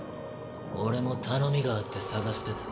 俺も頼みがあって探してた。